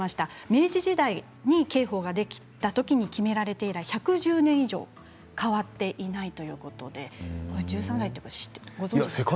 明治時代に刑法ができたときに決められて以来１１０年以上変わっていないということでご存じでしたか？